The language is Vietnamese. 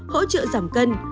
hỗ trợ giảm cân